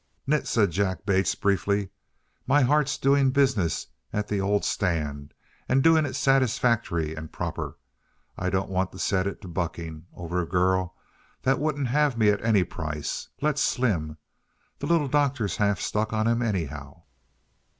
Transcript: "Nit," said Jack Bates, briefly. "My heart's doing business at the old stand and doing it satisfactory and proper. I don't want to set it to bucking over a girl that wouldn't have me at any price. Let Slim. The Little Doctor's half stuck on him, anyhow."